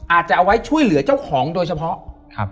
อาจจะเอาไว้ช่วยเหลือเจ้าของโดยเฉพาะครับ